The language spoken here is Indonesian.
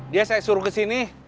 dia saya suruh kesini